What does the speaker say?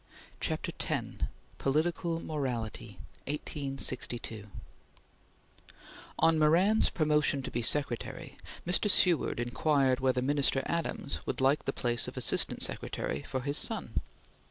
CHAPTER X POLITICAL MORALITY (1862) ON Moran's promotion to be Secretary, Mr. Seward inquired whether Minister Adams would like the place of Assistant Secretary for his son.